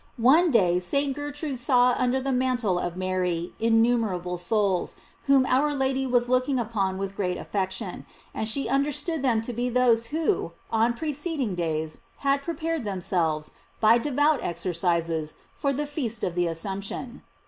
One day St. Gertrude saw under the man tle of Mary innumerable souls, whom our Lady was looking upon with great affection, and she understood them to be those who, on preceding days, had prepared themselves, by devout ex ercises, for the feast of the Assumption.